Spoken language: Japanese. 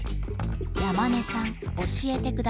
山根さん教えてください。